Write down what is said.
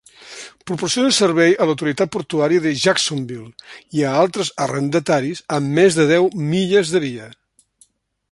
Proporciona servei a l'Autoritat Portuària de Jacksonville i a altres arrendataris amb més de deu milles de via.